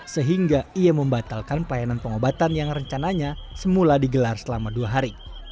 sehingga ia membatalkan pelayanan pengobatan yang rencananya semula digelar selama dua hari